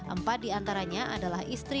empat diantaranya adalah istri